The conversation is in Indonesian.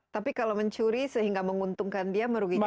tapi kalau mencuri sehingga menguntungkan dia merugikan